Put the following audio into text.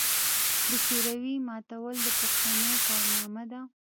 د شوروي ماتول د پښتنو کارنامه ده.